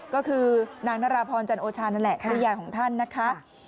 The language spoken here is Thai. ก็คือนางนราพรจันโอชานั่นแหละภรรยาของท่านนะคะ